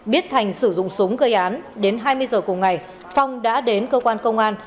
biết thành sử dụng súng gây án đến hai mươi giờ cùng ngày phong đã đến cơ quan công an